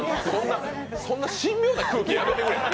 そんな神妙な空気やめてくれ。